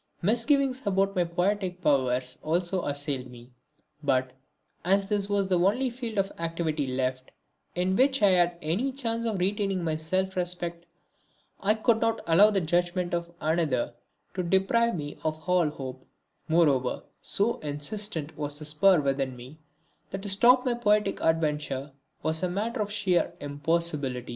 Misgivings about my poetic powers also assailed me; but, as this was the only field of activity left in which I had any chance of retaining my self respect, I could not allow the judgment of another to deprive me of all hope; moreover, so insistent was the spur within me that to stop my poetic adventure was a matter of sheer impossibility.